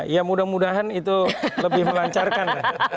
ya mudah mudahan itu lebih melancarkan